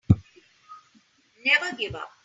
Never give up.